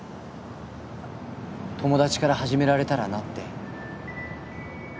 友達から始められたらなって。